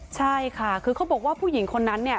ใช่ค่ะคือเขาบอกว่าผู้หญิงคนนั้นเนี่ย